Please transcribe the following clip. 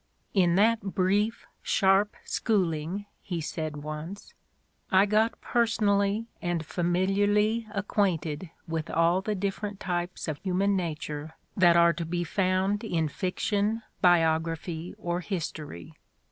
"In that brief, sharp schooling," he said once, "I got personally and familiarly acquainted with all the different types of human nature that are to be found in fiction, biography or history.